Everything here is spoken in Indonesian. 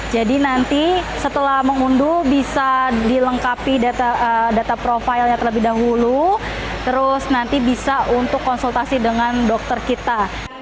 jadi nanti setelah mengunduh bisa dilengkapi data profilnya terlebih dahulu terus nanti bisa untuk konsultasi dengan dokter kita